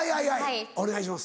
お願いします。